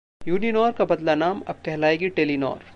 Uninor का बदला नाम, अब कहलाएगी 'टेलीनॉर'